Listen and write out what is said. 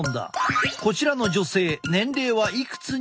こちらの女性ねえ